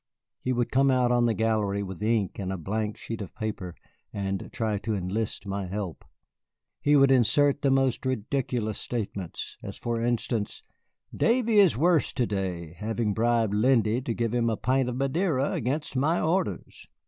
He would come out on the gallery with ink and a blank sheet of paper and try to enlist my help. He would insert the most ridiculous statements, as for instance, "Davy is worse to day, having bribed Lindy to give him a pint of Madeira against my orders."